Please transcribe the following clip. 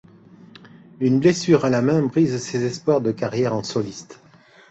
Une blessure à la main brise ses espoirs de carrière en soliste.